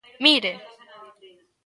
¡Mire!